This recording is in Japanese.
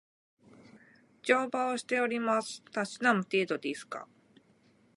乗馬をしております。たしなむ程度ですが